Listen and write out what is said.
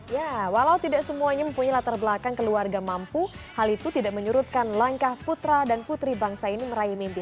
ya walau tidak semuanya mempunyai latar belakang keluarga mampu hal itu tidak menyurutkan langkah putra dan putri bangsa ini meraih mimpi